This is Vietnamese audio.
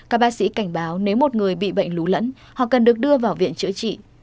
các bác sĩ cảnh báo nếu một người bị bệnh lún lẫn họ cần được đưa vào viện chữa trị